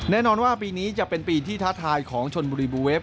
แน่นอนว่าปีนี้จะเป็นปีที่ท้าทายของชนบุรีบูเวฟ